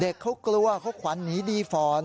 เด็กเขากลัวเขาควั้นนิดที